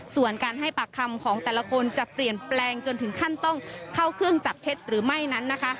ส่วนการให้ปากคำของแต่ละคนจะเปลี่ยนแปลงจนถึงขั้นต้องเข้าเครื่องจับเท็จหรือไม่นั้นนะคะ